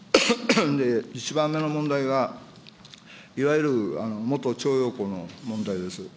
１番目の問題は、いわゆる元徴用工の問題です。